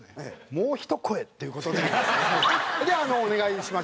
もう一声っていう事でそれでお願いしまして。